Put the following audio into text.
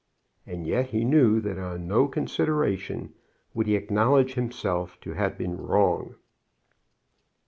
And yet he knew that on no consideration would he acknowledge himself to have been wrong.